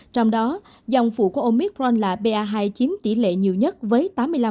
trong đó dòng phụ của omicron là ba hai chiếm tỷ lệ nhiều nhất với tám mươi năm chín mươi sáu